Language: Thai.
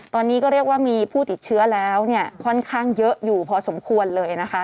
ตอนนี้ก็เรียกว่ามีผู้ติดเชื้อแล้วเนี่ยค่อนข้างเยอะอยู่พอสมควรเลยนะคะ